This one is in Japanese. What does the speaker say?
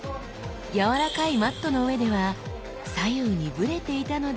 柔らかいマットの上では左右にブレていたのですが。